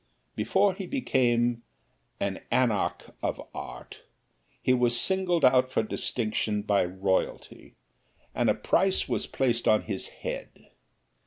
Before he became an anarch of art, he was singled out for distinction by royalty and a price was placed upon his head.